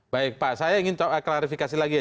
baik pak saya ingin klarifikasi lagi ya